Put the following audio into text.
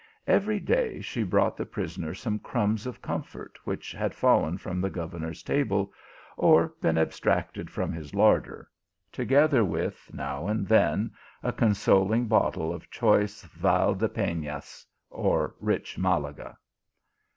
Every day she brought the prisoner some crumbs of comfort which had fallen from the governor s table, or been abstracted from his larder, together with, now and then, a consoling bottle of choice Val de Penas, or rich Malaga.